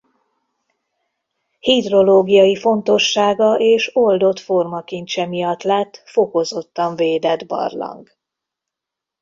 Hidrológiai fontossága és oldott formakincse miatt lett fokozottan védett barlang.